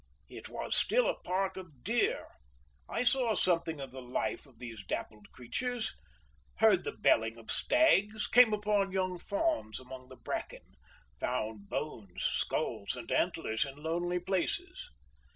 It was still a park of deer. I saw something of the life of these dappled creatures, heard the belling of stags, came upon young fawns among the bracken, found bones, skulls, and antlers in lonely places.